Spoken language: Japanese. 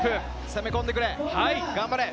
攻め込んでくれ。